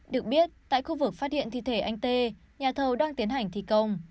được biết tại khu vực phát hiện thi thể anh tê nhà thầu đang tiến hành thi công